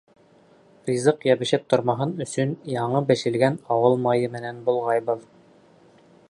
Ризыҡ йәбешеп тормаһын өсөн яңы бешелгән ауыл майы менән болғайбыҙ.